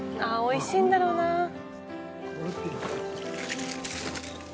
おいしいんだろうなぁ。